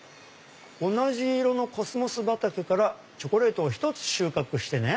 「同じ色のコスモス畑からチョコレートを１つ収穫してね」。